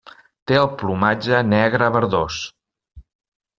Té el plomatge negre verdós.